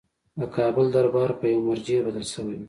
د کابل دربار په یوه مرجع بدل شوی وو.